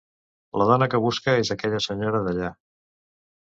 La dona que busca és aquella senyora d'allà.